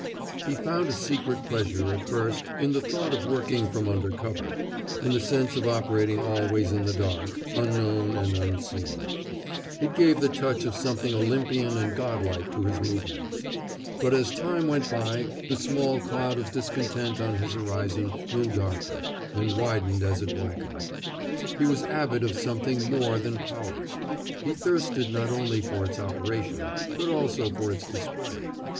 He found a secret pleasure, at first, in the thought of working from under cover, in the sense of operating always in the dark, unknown and unseen. It gave a touch of something Olympian and godlike to his movements. But as time went by the small cloud of discontent on his horizon grew darker, and widened as it blackened. He was avid of something more than power. He thirsted not only for its operation, but also for its display.